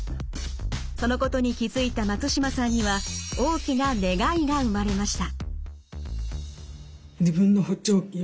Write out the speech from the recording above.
そのことに気付いた松島さんには大きな願いが生まれました。